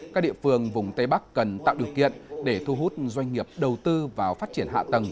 các địa phương vùng tây bắc cần tạo điều kiện để thu hút doanh nghiệp đầu tư vào phát triển hạ tầng